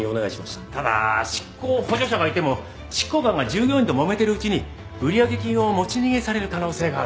ただ執行補助者がいても執行官が従業員ともめてるうちに売上金を持ち逃げされる可能性がある。